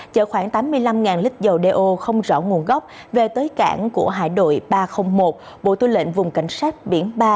chở khoảng tám mươi năm lít dầu đeo không rõ nguồn gốc về tới cảng của hải đội ba trăm linh một bộ tư lệnh vùng cảnh sát biển ba